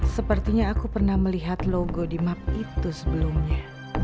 sepertinya aku pernah melihat logo di map itu sebelumnya